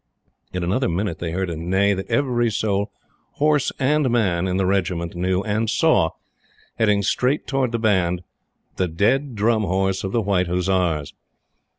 In another minute they heard a neigh that every soul horse and man in the Regiment knew, and saw, heading straight towards the Band, the dead Drum Horse of the White Hussars!